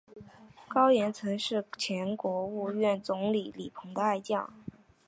高严曾是前国务院总理李鹏的爱将。